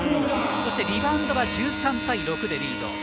そして、リバウンドは１３対６でリード。